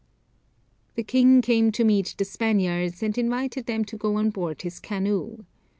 The king came to meet the Spaniards, and invited them to go on board his canoe.